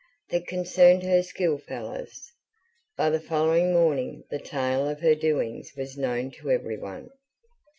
That concerned her schoolfellows. By the following morning the tale of her doings was known to everyone.